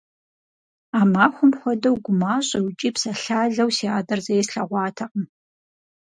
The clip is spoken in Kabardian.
А махуэм хуэдэу гумащӀэу икӀи псалъалэу си адэр зэи слъэгъуатэкъым.